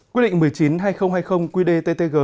quy định một mươi chín hai nghìn hai mươi qd ttg